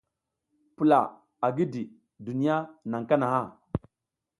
Pula a gidi, duniya naƞ kanaha.